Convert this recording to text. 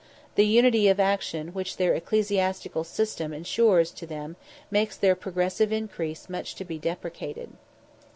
The unity of action which their ecclesiastical system ensures to them makes their progressive increase much to be deprecated.